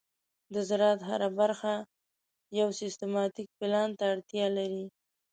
د زراعت هره برخه یو سیستماتيک پلان ته اړتیا لري.